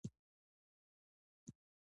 رستاق غونډۍ ولې زرغونې دي؟